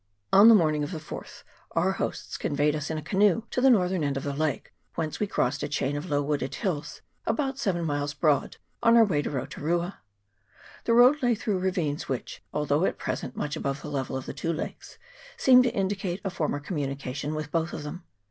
On the morning of the 4th our hosts conveyed us in a canoe to the northern end of the lake, whence we crossed a chain of low wooded hills, about seven miles broad, on our way to Rotu rua. The road lay through ravines, which, although at present much above the level of the two lakes, seemed to indicate a former communication with both of them.